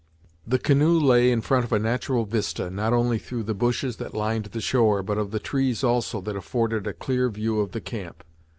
The canoe lay in front of a natural vista, not only through the bushes that lined the shore, but of the trees also, that afforded a clear view of the camp.